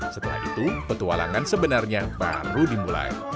setelah itu petualangan sebenarnya baru dimulai